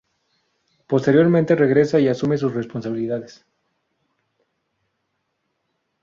Posteriormente regresa y asume sus responsabilidades.